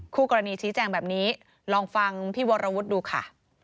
คู่กรณีชี้แจงแบบนี้ลองฟังพี่วรวุฒิดูค่ะ